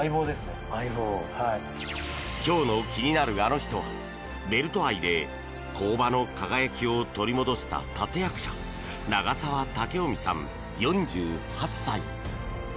今日の気になるアノ人はベルト愛で工場の輝きを取り戻した立役者長澤猛臣さん、４８歳。